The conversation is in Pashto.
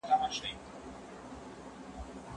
ليکنه دا توپيرونه روښانوي.